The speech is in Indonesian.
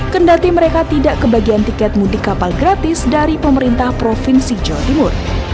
kendati mereka tidak kebagian tiket mudik kapal gratis dari pemerintah provinsi jawa timur